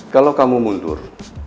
kalau kamu mundur